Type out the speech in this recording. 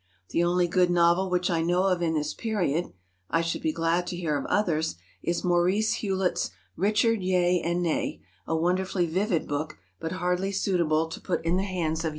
The only good novel which I know of in this period (I should be glad to hear of others) is Maurice Hewlett's "Richard Yea and Nay," a wonderfully vivid book, but hardly suitable to put in the hands of young folk in general.